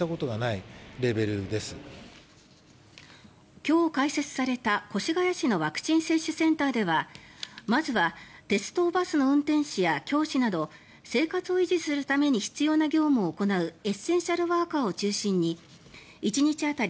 今日開設された越谷市のワクチン接種センターではまずは鉄道・バスの運転士や教師など生活を維持するために必要な業務を行うエッセンシャルワーカーを中心に１日当たり